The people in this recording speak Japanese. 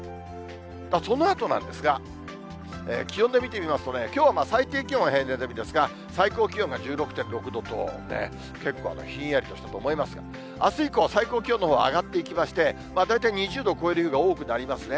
そのあとなんですが、気温で見てみますと、きょうは最低気温は平年並みですが、最高気温が１６．６度と、結構ひんやりしたと思いますが、あす以降は、最高気温のほうは上がっていきまして、大体２０度を超える日が多くなりますね。